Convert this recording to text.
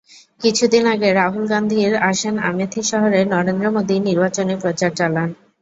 কিছুদিন আগে রাহুল গান্ধীর আসন আমেথি শহরে নরেন্দ্র মোদি নির্বাচনি প্রচার চালান।